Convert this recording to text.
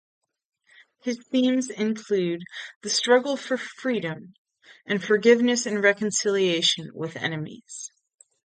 His themes include the struggle for freedom, and forgiveness and reconciliation with enemies.